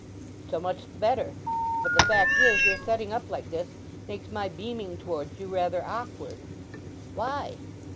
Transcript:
"So much the better. But the fact is, your setting up like this makes my beaming towards you rather awkward." "Why?"